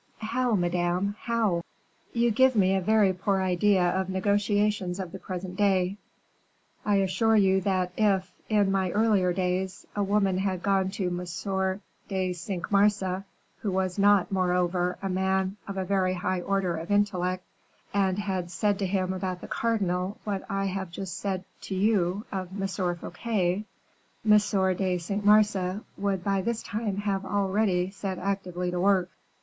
"How, madame, how?" "You give me a very poor idea of negotiations of the present day. I assure you that if, in my earlier days, a woman had gone to M. de Cinq Mars, who was not, moreover, a man of a very high order of intellect, and had said to him about the cardinal what I have just said to you of M. Fouquet, M. de Cinq Mars would by this time have already set actively to work."